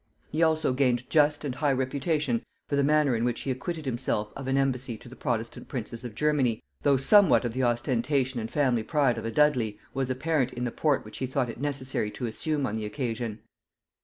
He also gained just and high reputation for the manner in which he acquitted himself of an embassy to the protestant princes of Germany, though somewhat of the ostentation and family pride of a Dudley was apparent in the port which he thought it necessary to assume on the occasion.